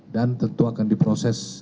dan tentu akan diproses